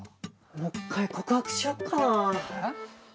もう一回告白しよっかな？